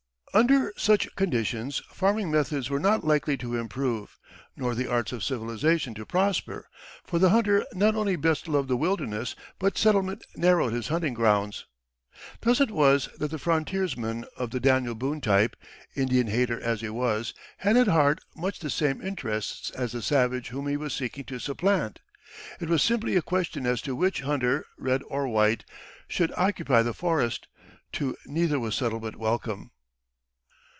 Under such conditions farming methods were not likely to improve, nor the arts of civilization to prosper; for the hunter not only best loved the wilderness, but settlement narrowed his hunting grounds. Thus it was that the frontiersman of the Daniel Boone type, Indian hater as he was, had at heart much the same interests as the savage whom he was seeking to supplant. It was simply a question as to which hunter, red or white, should occupy the forest; to neither was settlement welcome.